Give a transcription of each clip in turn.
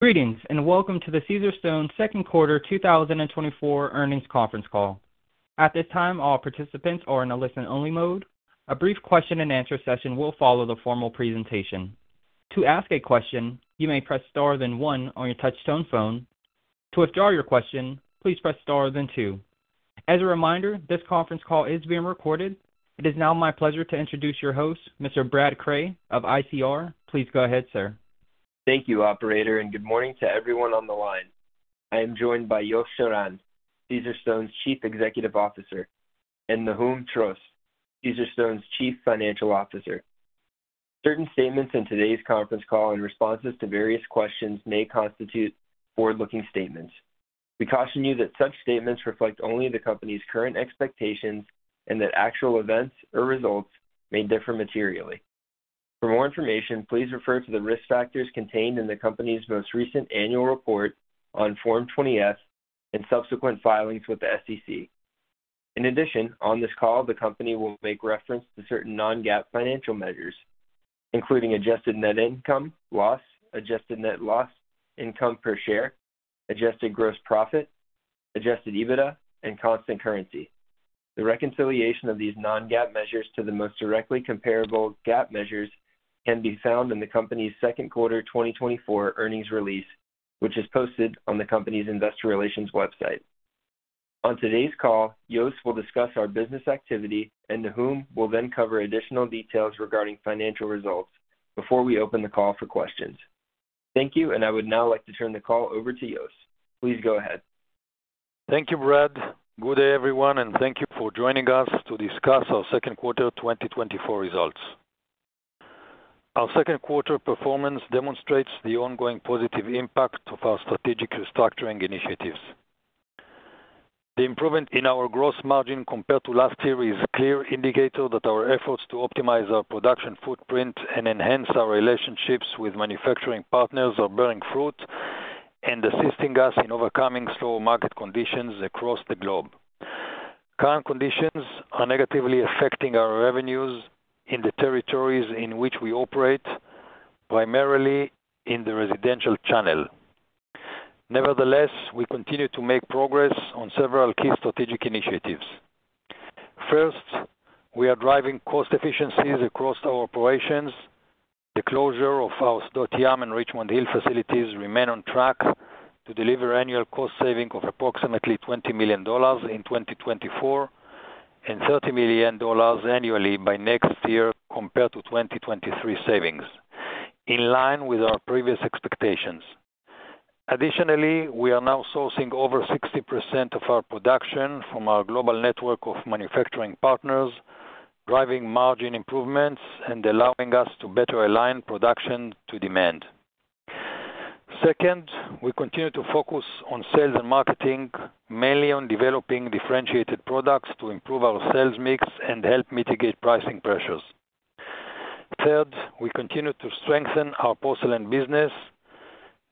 Greetings and welcome to the Caesarstone Second Quarter 2024 earnings conference call. At this time, all participants are in a listen-only mode. A brief question-and-answer session will follow the formal presentation. To ask a question, you may press star then one on your touch-tone phone. To withdraw your question, please press star then two. As a reminder, this conference call is being recorded. It is now my pleasure to introduce your host, Mr. Brad Cray of ICR. Please go ahead, sir. Thank you, Operator, and good morning to everyone on the line. I am joined by Yos Shiran, Caesarstone's Chief Executive Officer, and Nahum Trost, Caesarstone's Chief Financial Officer. Certain statements in today's conference call and responses to various questions may constitute forward-looking statements. We caution you that such statements reflect only the company's current expectations and that actual events or results may differ materially. For more information, please refer to the risk factors contained in the company's most recent annual report on Form 20-F and subsequent filings with the SEC. In addition, on this call, the company will make reference to certain non-GAAP financial measures, including adjusted net income, loss, adjusted net loss income per share, adjusted gross profit, adjusted EBITDA, and constant currency. The reconciliation of these non-GAAP measures to the most directly comparable GAAP measures can be found in the company's Second Quarter 2024 earnings release, which is posted on the company's investor relations website. On today's call, Yos will discuss our business activity, and Nahum will then cover additional details regarding financial results before we open the call for questions. Thank you, and I would now like to turn the call over to Yos. Please go ahead. Thank you, Brad. Good day, everyone, and thank you for joining us to discuss our Second Quarter 2024 results. Our Second Quarter performance demonstrates the ongoing positive impact of our strategic restructuring initiatives. The improvement in our gross margin compared to last year is a clear indicator that our efforts to optimize our production footprint and enhance our relationships with manufacturing partners are bearing fruit and assisting us in overcoming slow market conditions across the globe. Current conditions are negatively affecting our revenues in the territories in which we operate, primarily in the residential channel. Nevertheless, we continue to make progress on several key strategic initiatives. First, we are driving cost efficiencies across our operations. The closure of our Sdot Yam and Richmond Hill facilities remains on track to deliver annual cost savings of approximately $20 million in 2024 and $30 million annually by next year compared to 2023 savings, in line with our previous expectations. Additionally, we are now sourcing over 60% of our production from our global network of manufacturing partners, driving margin improvements and allowing us to better align production to demand. Second, we continue to focus on sales and marketing, mainly on developing differentiated products to improve our sales mix and help mitigate pricing pressures. Third, we continue to strengthen our porcelain business.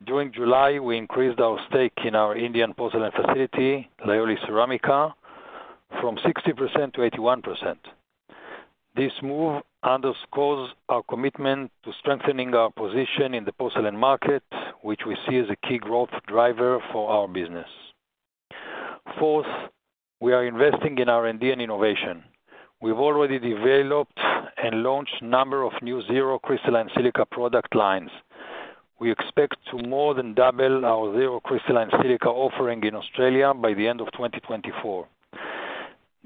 During July, we increased our stake in our Indian porcelain facility, Lioli Ceramica, from 60% to 81%. This move underscores our commitment to strengthening our position in the porcelain market, which we see as a key growth driver for our business. Fourth, we are investing in R&D and innovation. We've already developed and launched a number of new Zero Crystalline Silica product lines. We expect to more than double our Zero Crystalline Silica offering in Australia by the end of 2024.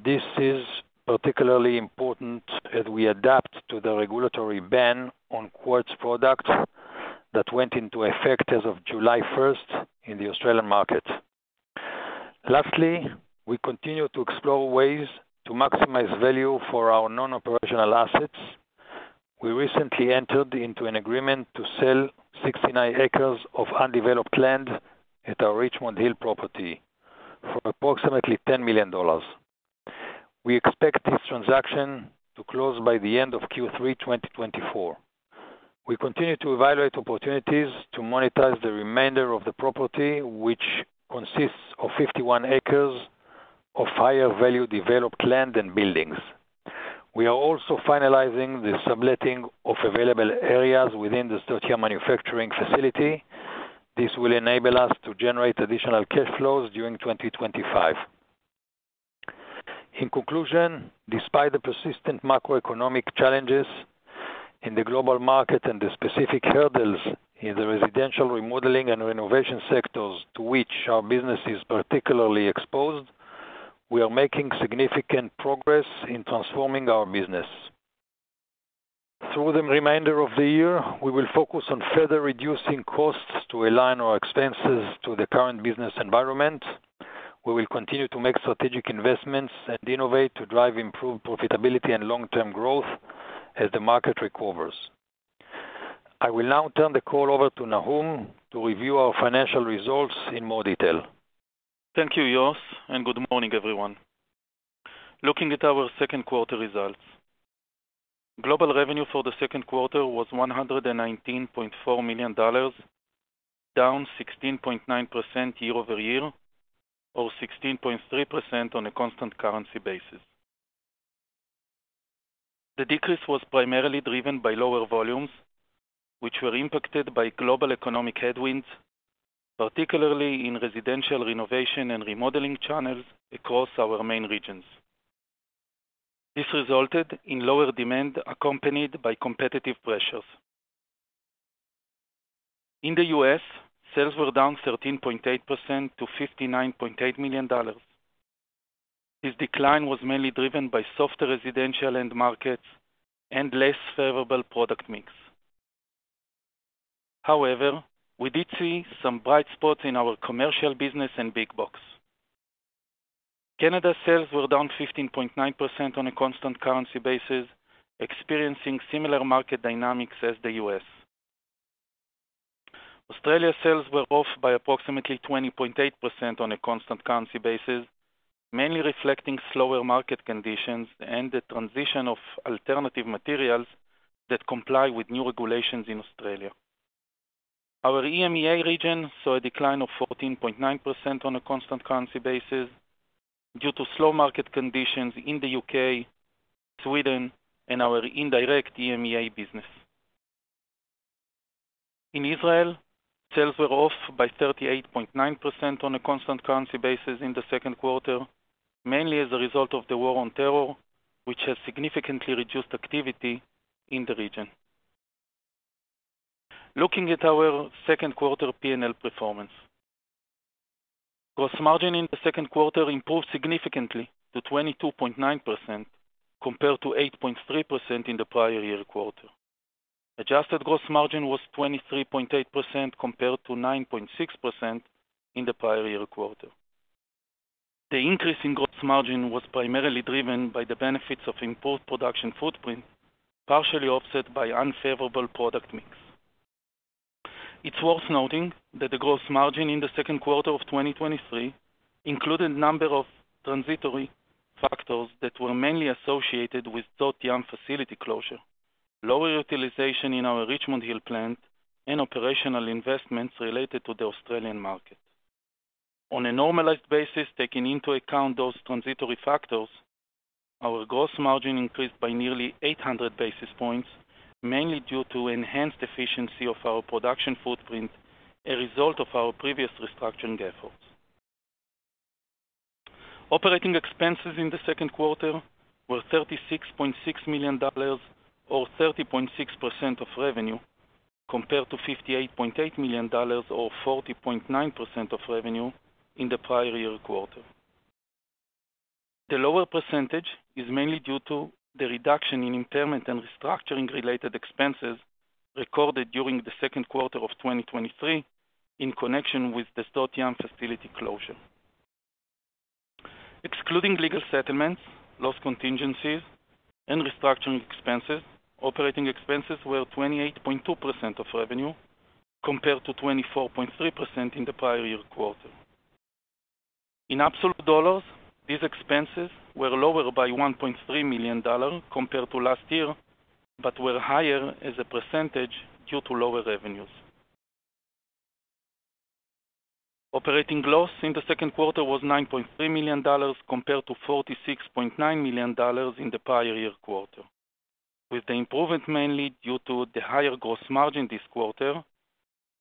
This is particularly important as we adapt to the regulatory ban on quartz products that went into effect as of July 1st in the Australian market. Lastly, we continue to explore ways to maximize value for our non-operational assets. We recently entered into an agreement to sell 69 acres of undeveloped land at our Richmond Hill property for approximately $10 million. We expect this transaction to close by the end of Q3 2024. We continue to evaluate opportunities to monetize the remainder of the property, which consists of 51 acres of higher-value developed land and buildings. We are also finalizing the subletting of available areas within the Sdot Yam manufacturing facility. This will enable us to generate additional cash flows during 2025. In conclusion, despite the persistent macroeconomic challenges in the global market and the specific hurdles in the residential remodeling and renovation sectors to which our business is particularly exposed, we are making significant progress in transforming our business. Through the remainder of the year, we will focus on further reducing costs to align our expenses to the current business environment. We will continue to make strategic investments and innovate to drive improved profitability and long-term growth as the market recovers. I will now turn the call over to Nahum to review our financial results in more detail. Thank you, Yos, and good morning, everyone. Looking at our Second Quarter results, global revenue for the Second Quarter was $119.4 million, down 16.9% year-over-year, or 16.3% on a constant currency basis. The decrease was primarily driven by lower volumes, which were impacted by global economic headwinds, particularly in residential renovation and remodeling channels across our main regions. This resulted in lower demand accompanied by competitive pressures. In the U.S., sales were down 13.8% to $59.8 million. This decline was mainly driven by softer residential end markets and less favorable product mix. However, we did see some bright spots in our commercial business and big box. Canada sales were down 15.9% on a constant currency basis, experiencing similar market dynamics as the U.S. Australia sales were off by approximately 20.8% on a constant currency basis, mainly reflecting slower market conditions and the transition of alternative materials that comply with new regulations in Australia. Our EMEA region saw a decline of 14.9% on a constant currency basis due to slow market conditions in the U.K., Sweden, and our indirect EMEA business. In Israel, sales were off by 38.9% on a constant currency basis in the Second Quarter, mainly as a result of the war on terror, which has significantly reduced activity in the region. Looking at our Second Quarter P&L performance, gross margin in the Second Quarter improved significantly to 22.9% compared to 8.3% in the prior year quarter. Adjusted gross margin was 23.8% compared to 9.6% in the prior year quarter. The increase in gross margin was primarily driven by the benefits of improved production footprint, partially offset by unfavorable product mix. It's worth noting that the gross margin in the Second Quarter of 2023 included a number of transitory factors that were mainly associated with Sdot Yam facility closure, lower utilization in our Richmond Hill plant, and operational investments related to the Australian market. On a normalized basis, taking into account those transitory factors, our gross margin increased by nearly 800 basis points, mainly due to enhanced efficiency of our production footprint, a result of our previous restructuring efforts. Operating expenses in the Second Quarter were $36.6 million, or 30.6% of revenue, compared to $58.8 million, or 40.9% of revenue, in the prior year quarter. The lower percentage is mainly due to the reduction in impairment and restructuring-related expenses recorded during the Second Quarter of 2023 in connection with the Sdot Yam facility closure. Excluding legal settlements, loss contingencies, and restructuring expenses, operating expenses were 28.2% of revenue compared to 24.3% in the prior year quarter. In absolute dollars, these expenses were lower by $1.3 million compared to last year but were higher as a percentage due to lower revenues. Operating loss in the second quarter was $9.3 million compared to $46.9 million in the prior year quarter, with the improvement mainly due to the higher gross margin this quarter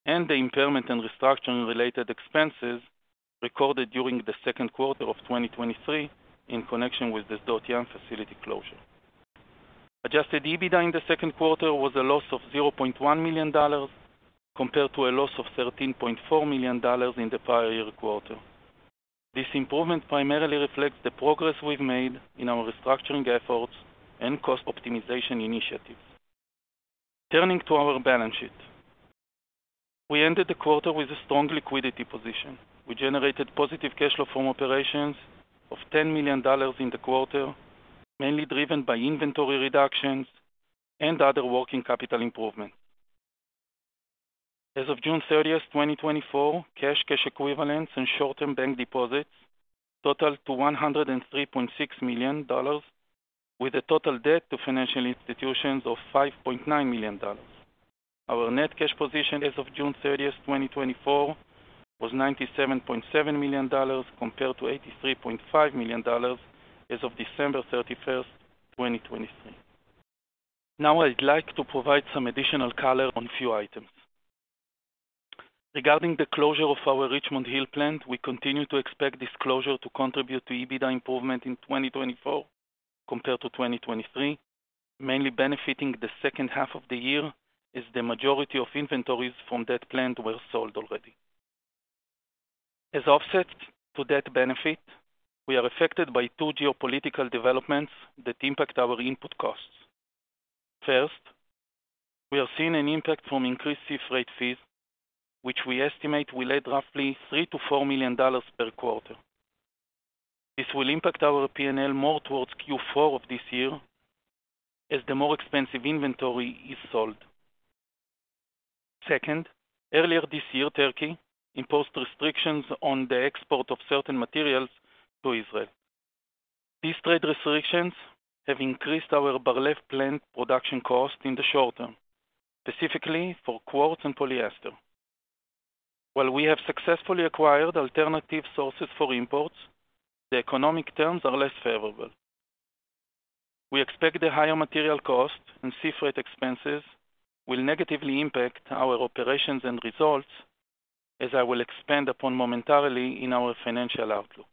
and the impairment and restructuring-related expenses recorded during the second quarter of 2023 in connection with the Sdot Yam facility closure. Adjusted EBITDA in the second quarter was a loss of $0.1 million compared to a loss of $13.4 million in the prior year quarter. This improvement primarily reflects the progress we've made in our restructuring efforts and cost optimization initiatives. Turning to our balance sheet, we ended the quarter with a strong liquidity position. We generated positive cash flow from operations of $10 million in the quarter, mainly driven by inventory reductions and other working capital improvements. As of June 30th, 2024, cash equivalents and short-term bank deposits totaled to $103.6 million, with a total debt to financial institutions of $5.9 million. Our net cash position as of June 30th, 2024, was $97.7 million compared to $83.5 million as of December 31st, 2023. Now, I'd like to provide some additional color on a few items. Regarding the closure of our Richmond Hill plant, we continue to expect this closure to contribute to EBITDA improvement in 2024 compared to 2023, mainly benefiting the second half of the year as the majority of inventories from that plant were sold already. As offsets to that benefit, we are affected by two geopolitical developments that impact our input costs. First, we are seeing an impact from increased CIF rate fees, which we estimate will add roughly $3 million-$4 million per quarter. This will impact our P&L more towards Q4 of this year as the more expensive inventory is sold. Second, earlier this year, Turkey imposed restrictions on the export of certain materials to Israel. These trade restrictions have increased our Bar-Lev plant production costs in the short term, specifically for quartz and polyester. While we have successfully acquired alternative sources for imports, the economic terms are less favorable. We expect the higher material cost and CIF rate expenses will negatively impact our operations and results, as I will expand upon momentarily in our financial outlook.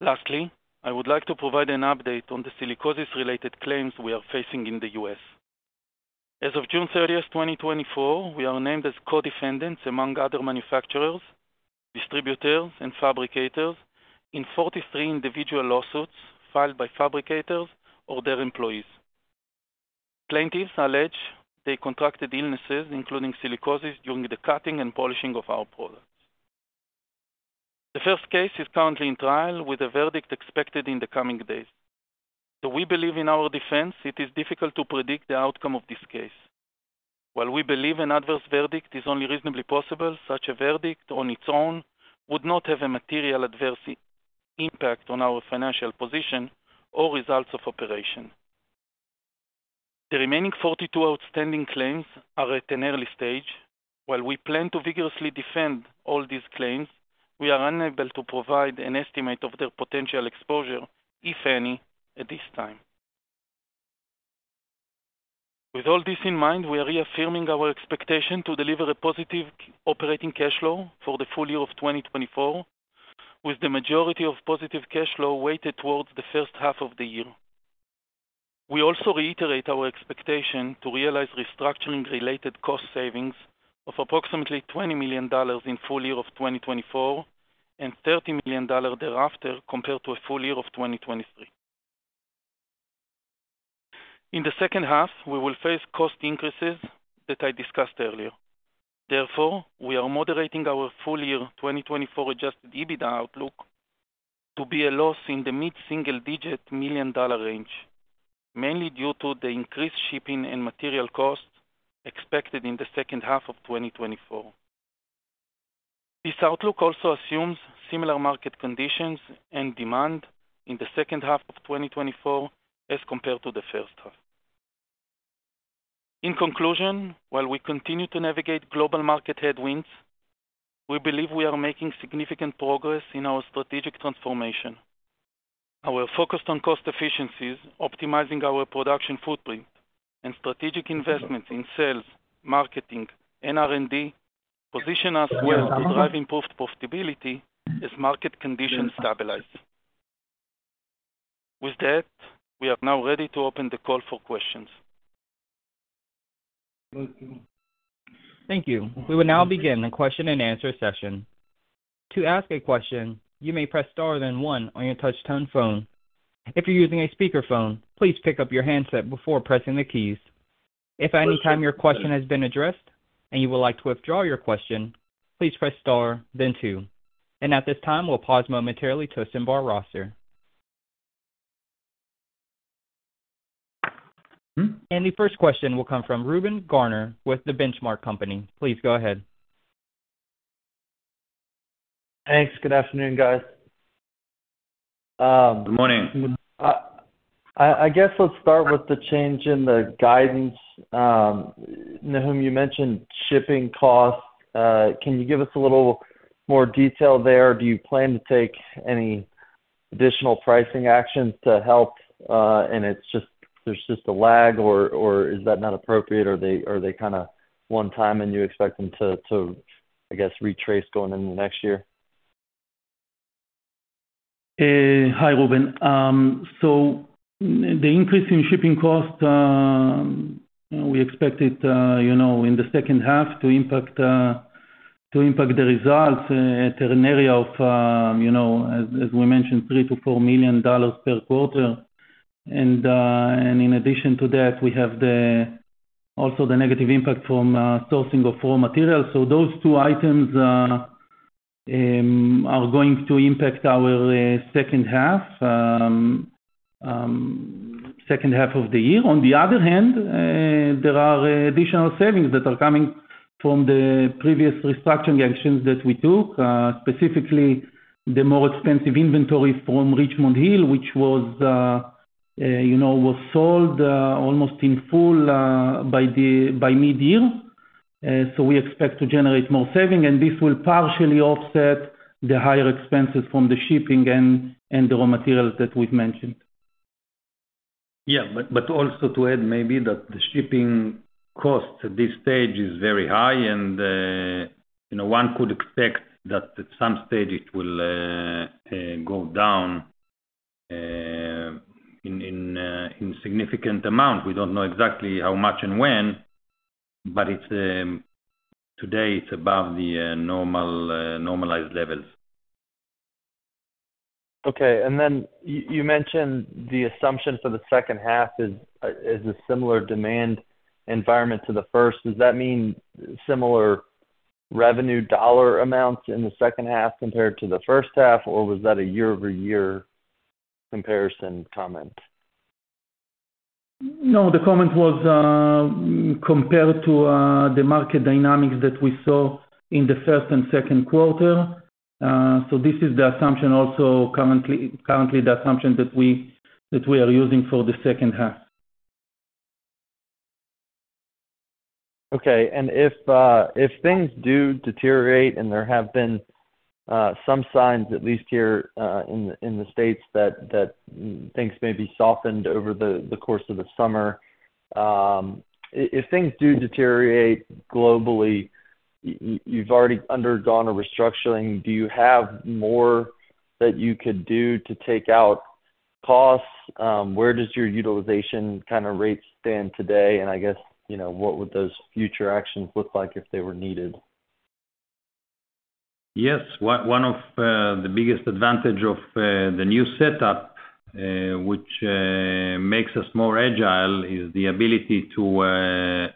Lastly, I would like to provide an update on the silicosis-related claims we are facing in the U.S. As of June 30th, 2024, we are named as co-defendants among other manufacturers, distributors, and fabricators in 43 individual lawsuits filed by fabricators or their employees. The plaintiffs allege they contracted illnesses, including silicosis, during the cutting and polishing of our products. The first case is currently in trial, with a verdict expected in the coming days. Though we believe in our defense, it is difficult to predict the outcome of this case. While we believe an adverse verdict is only reasonably possible, such a verdict on its own would not have a material adverse impact on our financial position or results of operation. The remaining 42 outstanding claims are at an early stage. While we plan to vigorously defend all these claims, we are unable to provide an estimate of their potential exposure, if any, at this time. With all this in mind, we are reaffirming our expectation to deliver a positive operating cash flow for the full year of 2024, with the majority of positive cash flow weighted towards the first half of the year. We also reiterate our expectation to realize restructuring-related cost savings of approximately $20 million in full year of 2024 and $30 million thereafter compared to a full year of 2023. In the second half, we will face cost increases that I discussed earlier. Therefore, we are moderating our full year 2024 adjusted EBITDA outlook to be a loss in the mid-single-digit million-dollar range, mainly due to the increased shipping and material costs expected in the second half of 2024. This outlook also assumes similar market conditions and demand in the second half of 2024 as compared to the first half. In conclusion, while we continue to navigate global market headwinds, we believe we are making significant progress in our strategic transformation. Our focus on cost efficiencies, optimizing our production footprint, and strategic investments in sales, marketing, and R&D position us well to drive improved profitability as market conditions stabilize. With that, we are now ready to open the call for questions. Thank you. We will now begin the question-and-answer session. To ask a question, you may press star then one on your touch-tone phone. If you're using a speakerphone, please pick up your handset before pressing the keys. If at any time your question has been addressed and you would like to withdraw your question, please press star, then two. And at this time, we'll pause momentarily to assemble our roster. And the first question will come from Reuben Garner with The Benchmark Company. Please go ahead. Thanks. Good afternoon, guys. Good morning. I guess let's start with the change in the guidance. Nahum, you mentioned shipping costs. Can you give us a little more detail there? Do you plan to take any additional pricing actions to help? And there's just a lag, or is that not appropriate? Are they kind of one-time, and you expect them to, I guess, retrace going into next year? Hi, Reuben. So the increase in shipping costs, we expected in the second half to impact the results at an area of, as we mentioned, $3 million-$4 million per quarter. And in addition to that, we have also the negative impact from sourcing of raw materials. So those two items are going to impact our second half of the year. On the other hand, there are additional savings that are coming from the previous restructuring actions that we took, specifically the more expensive inventory from Richmond Hill, which was sold almost in full by mid-year. So we expect to generate more savings, and this will partially offset the higher expenses from the shipping and the raw materials that we've mentioned. Yeah, but also to add maybe that the shipping costs at this stage are very high, and one could expect that at some stage it will go down in significant amount. We don't know exactly how much and when, but today it's above the normalized levels. Okay. And then you mentioned the assumption for the second half is a similar demand environment to the first. Does that mean similar revenue dollar amounts in the second half compared to the first half, or was that a year-over-year comparison comment? No, the comment was compared to the market dynamics that we saw in the first and second quarter. So this is the assumption also currently, the assumption that we are using for the second half. Okay. And if things do deteriorate and there have been some signs, at least here in the States, that things may be softened over the course of the summer, if things do deteriorate globally, you've already undergone a restructuring, do you have more that you could do to take out costs? Where does your utilization kind of rate stand today? And I guess what would those future actions look like if they were needed? Yes. One of the biggest advantages of the new setup, which makes us more agile, is the ability to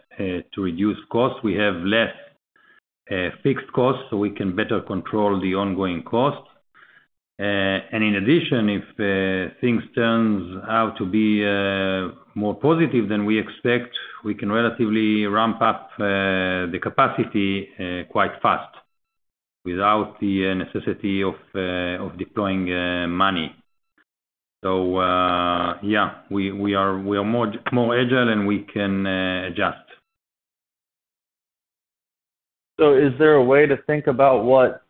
reduce costs. We have less fixed costs, so we can better control the ongoing costs. In addition, if things turn out to be more positive than we expect, we can relatively ramp up the capacity quite fast without the necessity of deploying money. So yeah, we are more agile, and we can adjust. So is there a way to think about what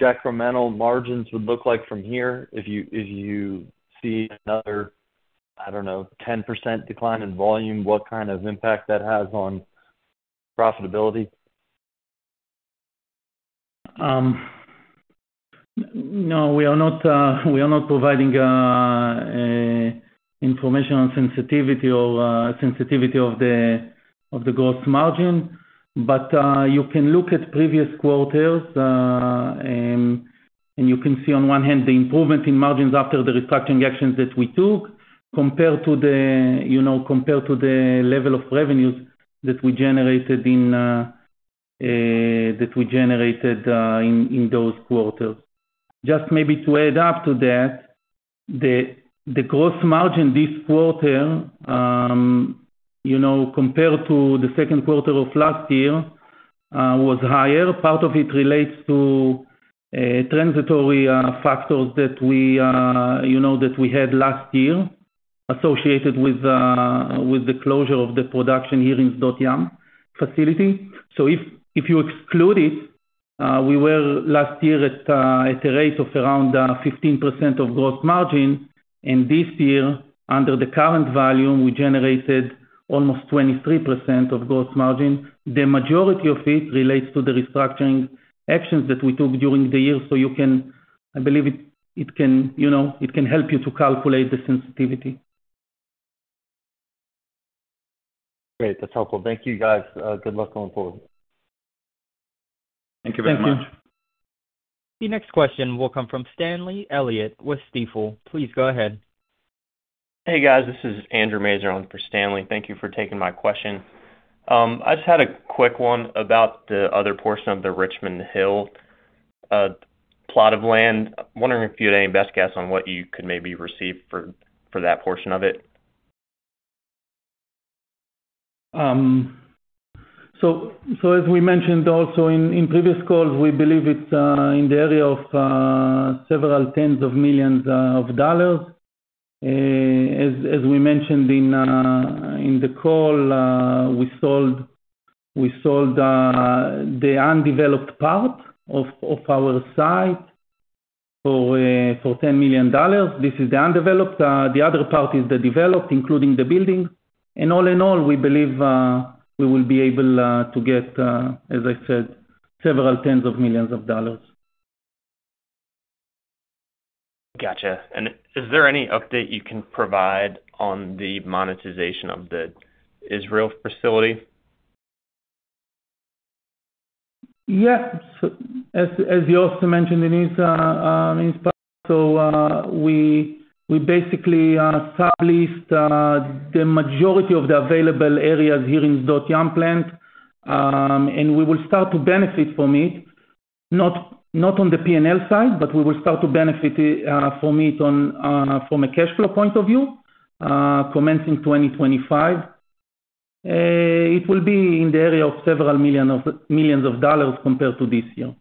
decremental margins would look like from here? If you see another, I don't know, 10% decline in volume, what kind of impact that has on profitability? No, we are not providing information on sensitivity or sensitivity of the gross margin. But you can look at previous quarters, and you can see on one hand the improvement in margins after the restructuring actions that we took compared to the level of revenues that we generated that we generated in those quarters. Just maybe to add up to that, the gross margin this quarter compared to the second quarter of last year was higher. Part of it relates to transitory factors that we had last year associated with the closure of the production here in Sdot Yam facility. So if you exclude it, we were last year at a rate of around 15% of gross margin, and this year under the current volume, we generated almost 23% of gross margin. The majority of it relates to the restructuring actions that we took during the year. So you can, I believe it can help you to calculate the sensitivity. Great. That's helpful. Thank you, guys. Good luck going forward. Thank you very much. Thank you. The next question will come from Stanley Elliott with Stifel. Please go ahead. Hey, guys. This is Andrew Mazer on for Stanley. Thank you for taking my question. I just had a quick one about the other portion of the Richmond Hill plot of land. I'm wondering if you had any best guess on what you could maybe receive for that portion of it. So as we mentioned also in previous calls, we believe it's in the area of several tens of millions of dollars. As we mentioned in the call, we sold the undeveloped part of our site for $10 million. This is the undeveloped. The other part is the developed, including the building. And all in all, we believe we will be able to get, as I said, several tens of millions of dollars. Gotcha. And is there any update you can provide on the monetization of the Israel facility? Yeah. As you also mentioned, the lease, so we basically established the majority of the available areas here in Sdot Yam plant, and we will start to benefit from it, not on the P&L side, but we will start to benefit from it from a cash flow point of view, commencing 2025. It will be in the area of several million of dollars compared to this year.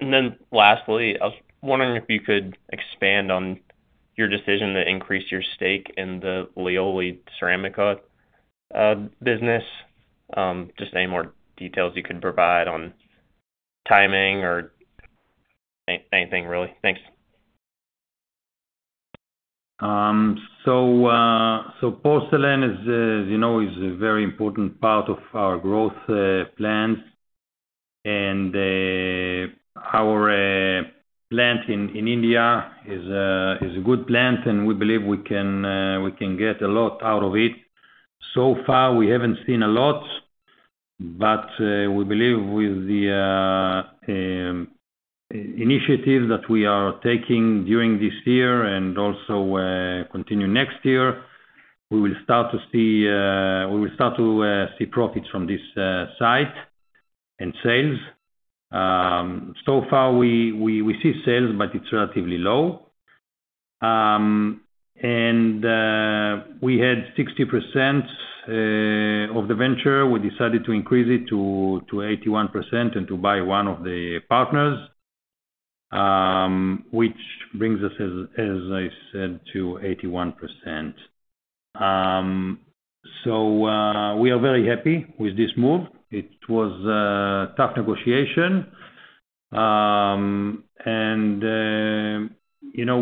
And then lastly, I was wondering if you could expand on your decision to increase your stake in the Lioli Ceramica business. Just any more details you could provide on timing or anything, really. Thanks. So porcelain is a very important part of our growth plans, and our plant in India is a good plant, and we believe we can get a lot out of it. So far, we haven't seen a lot, but we believe with the initiative that we are taking during this year and also continue next year, we will start to see profits from this site and sales. So far, we see sales, but it's relatively low. We had 60% of the venture. We decided to increase it to 81% and to buy one of the partners, which brings us, as I said, to 81%. We are very happy with this move. It was a tough negotiation.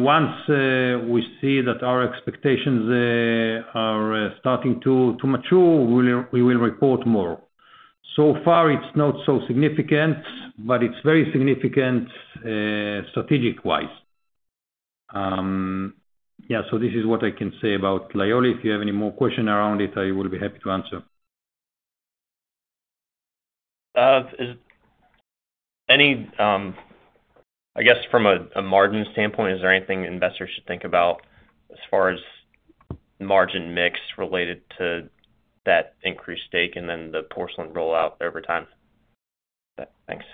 Once we see that our expectations are starting to mature, we will report more. So far, it's not so significant, but it's very significant strategic-wise. Yeah. This is what I can say about Lioli. If you have any more questions around it, I will be happy to answer. I guess from a margin standpoint, is there anything investors should think about as far as margin mix related to that increased stake and then the porcelain rollout over time? Thanks.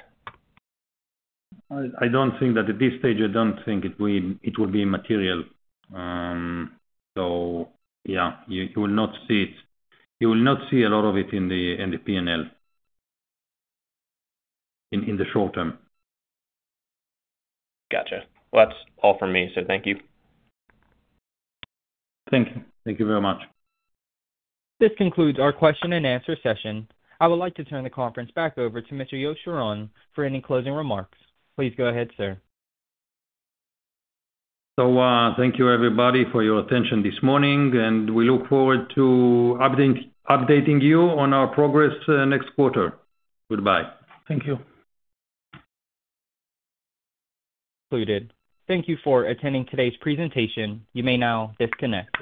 I don't think that at this stage, I don't think it will be material. So yeah, you will not see it. You will not see a lot of it in the P&L in the short term. Gotcha. Well, that's all from me. So thank you. Thank you. Thank you very much. This concludes our question-and-answer session. I would like to turn the conference back over to Mr. Yos Shiran for any closing remarks. Please go ahead, sir. So thank you, everybody, for your attention this morning, and we look forward to updating you on our progress next quarter. Goodbye. Thank you. Thank you for attending today's presentation. You may now disconnect.